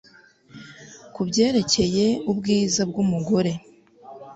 kubyerekeye ubwiza bw'umugore